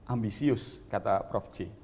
ambisius kata prof c